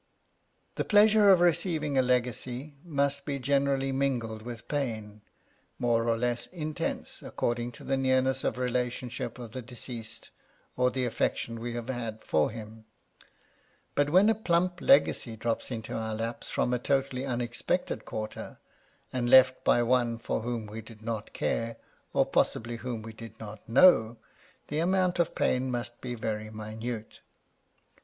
The pleasure of receiving a legacy must be generally mingled with pain, more or less intense, according to the nearness of relationship of the deceased, or the affection we have had for him : but, when a plump legacy drops into our laps from a totally unexpected quarter, and left by one for whom we did not care, or possibly whom we did not know, — the amount of pain must be very minute.